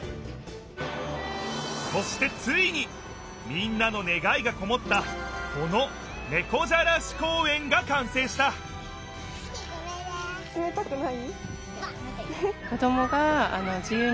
そしてついにみんなのねがいがこもったこのねこじゃらし公園がかんせいしたつめたくない？